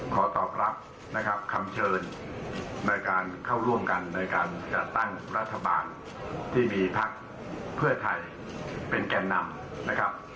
ขอตอบรับนะครับคำเชิญในการเข้าร่วมกันในการจัดตั้งรัฐบาลที่มีพักเพื่อไทยเป็นแก่นำนะครับ